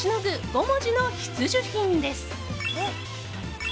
５文字の必需品です。